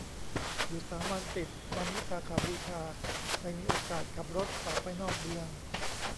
หยุดสามวันติดวันวิสาขบูชา ได้มีโอกาสขับรถออกไปนอกเมือง